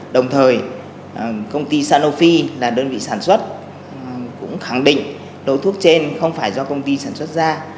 đồng thời công ty sanofi là đơn vị sản xuất cũng khẳng định lô thuốc trên không phải do công ty sản xuất ra